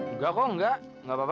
enggak kok enggak enggak apa apa